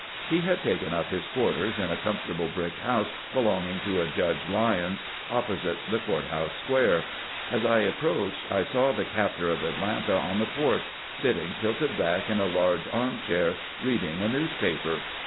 He had taken up his quarters in a comfortable brick house belonging to Judge Lyons, opposite the Court house Square. As I approached I saw the captor of Atlanta on the porch, sitting tilted back in a large arm chair, reading a news paper.